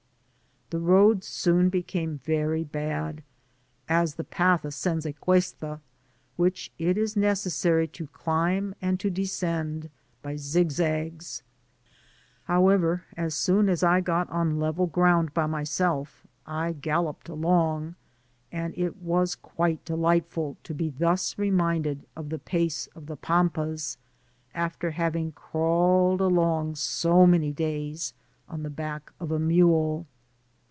The road soon became very bad, as the path ascends a cuesta, which it is necessary to climb and to descend by zig zags; however, as soon as I got on level ground by myself I galloped along, and it was quite delightful to be thus reminded of the pace of the Pampas, after having crawled so many days on the back of a mule.